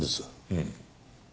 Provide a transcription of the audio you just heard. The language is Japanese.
うん。